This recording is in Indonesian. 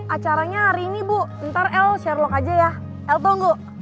acaranya hari ini bu ntar el share lok aja ya el tunggu